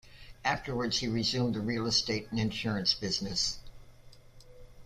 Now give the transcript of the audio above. Afterwards he resumed the real estate and insurance business.